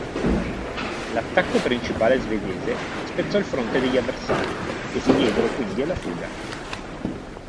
L'attacco principale svedese spezzò il fronte degli avversari, che si diedero quindi alla fuga.